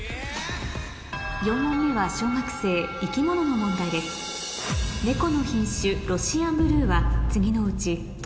４問目は小学生生き物の問題ですＯＫ！